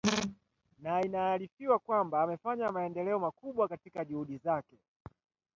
na inaarifiwa kwamba amefanya maendeleo makubwa katika juhudi zake